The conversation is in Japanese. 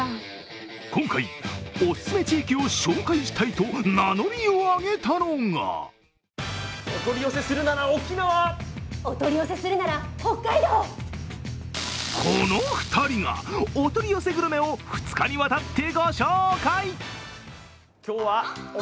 今回、お勧め地域を紹介したいと名乗りを上げたのがこの２人がお取り寄せグルメを２日にわたって御紹介。